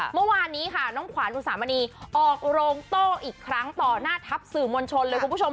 เมื่อวานนี้ค่ะน้องขวานอุสามณีออกโรงโต้อีกครั้งต่อหน้าทัพสื่อมวลชนเลยคุณผู้ชม